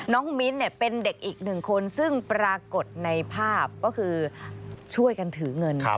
มิ้นเป็นเด็กอีกหนึ่งคนซึ่งปรากฏในภาพก็คือช่วยกันถือเงิน